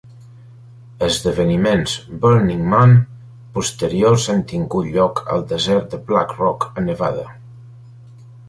Esdeveniments Burning Man posteriors han tingut lloc al desert de Black Rock a Nevada.